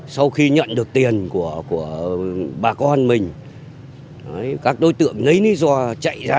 sau khi nhận được tiền của bà con mình các đối tượng ngấy ní do chạy ra